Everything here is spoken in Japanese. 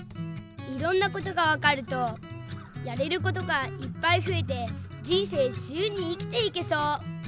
いろんなことがわかるとやれることがいっぱいふえてじんせいじゆうにいきていけそう。